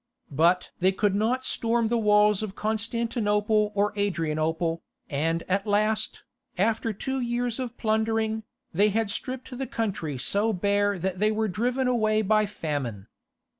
But they could not storm the walls of Constantinople or Adrianople, and at last, after two years of plundering, they had stripped the country so bare that they were driven away by famine.